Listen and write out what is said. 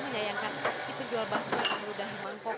menyayangkan si penjual bakso yang merudah mempok